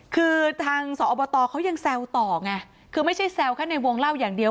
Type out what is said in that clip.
คือทางสอบตเขายังแซวต่อไงคือไม่ใช่แซวแค่ในวงเล่าอย่างเดียว